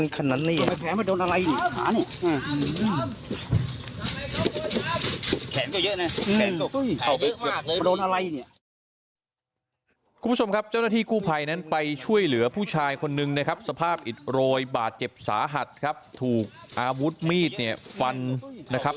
คุณผู้ชมครับเจ้าหน้าที่กู้ภัยนั้นไปช่วยเหลือผู้ชายคนนึงนะครับสภาพอิดโรยบาดเจ็บสาหัสครับถูกอาวุธมีดเนี่ยฟันนะครับ